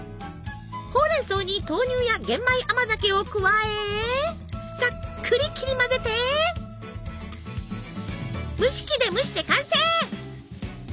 ほうれん草に豆乳や玄米甘酒を加えさっくり切り混ぜて蒸し器で蒸して完成！